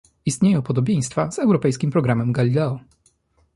Istnieją podobieństwa z europejskim programem Galileo